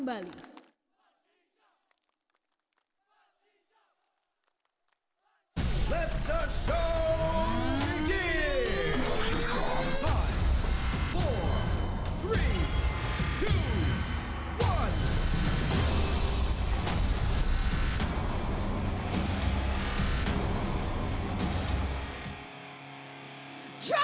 bangsa nuragaku semuanya